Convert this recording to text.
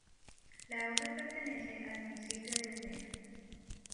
La obra pertenece al municipio de Umeå.